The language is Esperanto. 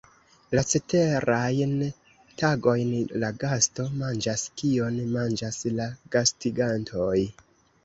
La ceterajn tagojn la gasto manĝas kion manĝas la gastigantoj.